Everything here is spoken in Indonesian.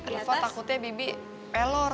reva takutnya bibi pelor